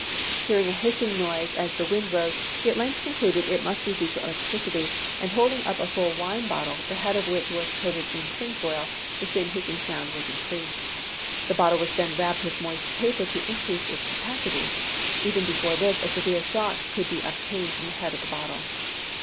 Hearing a hissing noise as the wind rose, he at length concluded it must be due to electricity: and "holding up a full wine bottle, the head of which was coated with tin foil," the same hissing was increased. The bottle was then wrapped with moist paper, to increase its capacity. Even before this, a severe shock could be obtained from the head of the bottle.